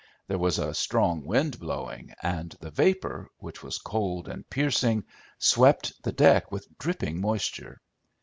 There was a strong wind blowing, and the vapour, which was cold and piercing, swept the deck with dripping moisture.